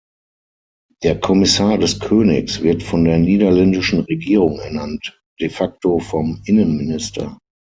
Der Kommissar des Königs wird von der niederländischen Regierung ernannt, de facto vom Innenminister.